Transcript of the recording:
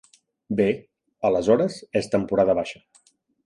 Bé, aleshores és temporada baixa.